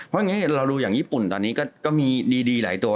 เพราะอย่างนี้เราดูอย่างญี่ปุ่นตอนนี้ก็มีดีหลายตัว